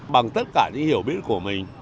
bằng tất cả những hiểu biết của mình